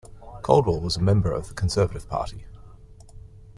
Coldwell was a member of the Conservative Party.